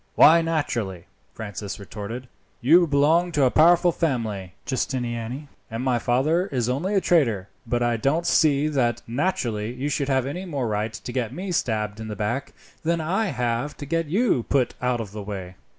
"Why naturally?" Francis retorted. "You belong to a powerful family, Giustiniani, and my father is only a trader, but I don't see that naturally you have any more right to get me stabbed in the back, than I have to get you put out of the way."